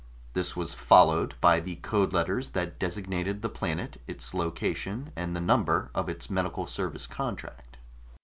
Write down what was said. This was followed by the code letters that designated the planet, its location, and the number of its medical service contract.